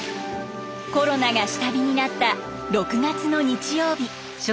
コロナが下火になった６月の日曜日。